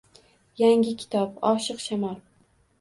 Yangi kitob: “Oshiq shamol”